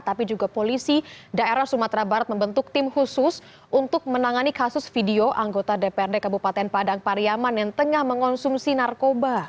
tapi juga polisi daerah sumatera barat membentuk tim khusus untuk menangani kasus video anggota dprd kabupaten padang pariaman yang tengah mengonsumsi narkoba